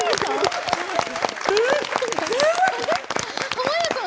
濱家さん？